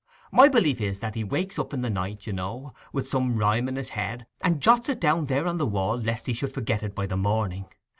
My belief is that he wakes up in the night, you know, with some rhyme in his head, and jots it down there on the wall lest he should forget it by the morning.